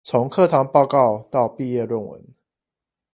從課堂報告到畢業論文